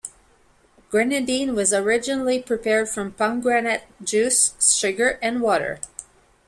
Grenadine was originally prepared from pomegranate juice, sugar, and water.